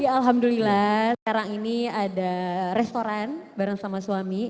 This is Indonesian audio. alhamdulillah sekarang ini ada restoran bareng sama suami